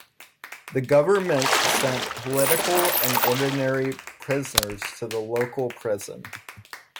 The government-sent political and ordinary prisoners to the local prison.